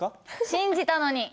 信じたのに！